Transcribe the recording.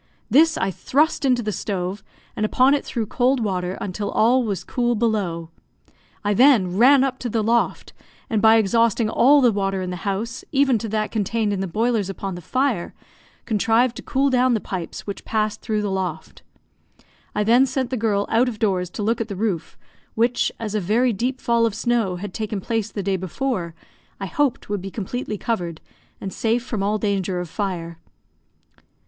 This I thrust into the stove, and upon it threw cold water, until all was cool below. I then ran up to the loft, and by exhausting all the water in the house, even to that contained in the boilers upon the fire, contrived to cool down the pipes which passed through the loft. I then sent the girl out of doors to look at the roof, which, as a very deep fall of snow had taken place the day before, I hoped would be completely covered, and safe from all danger of fire.